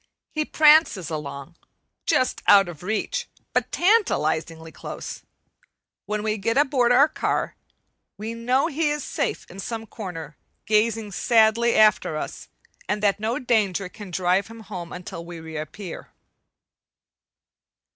He prances along, just out of reach, but tantalizingly close; when we get aboard our car, we know he is safe in some corner gazing sadly after us, and that no danger can drive him home until we reappear.